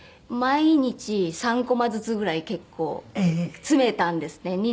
毎日３コマずつぐらい結構詰めたんですね。